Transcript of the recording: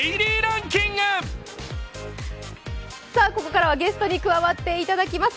ここからはゲストに加わっていただきます。